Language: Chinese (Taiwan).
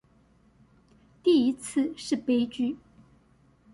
第一次是悲劇